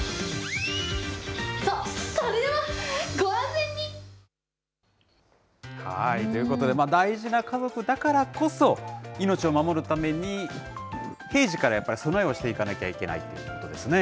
そ、それでは、ということで、大事な家族だからこそ、命を守るために、平時からやっぱり備えをしていかなきゃいけないということですね。